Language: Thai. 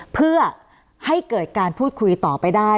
เพื่อให้เกิดการพูดคุยต่อไปได้